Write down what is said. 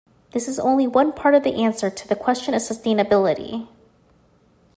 This is only one part of the answer to the question of sustainability.